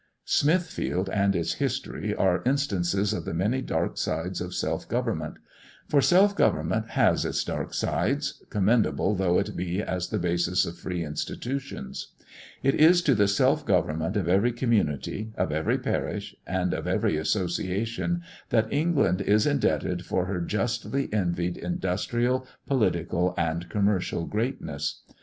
Smithfield and its history are instances of the many dark sides of self government. For self government has its dark sides, commendable though it be as the basis of free institutions. It is to the self government of every community, of every parish, and of every association, that England is indebted for her justly envied industrial, political, and commercial, greatness.